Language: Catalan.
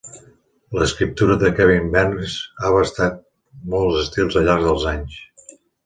L'escriptura de Kevin Barnes ha abastat molts estils al llarg dels anys.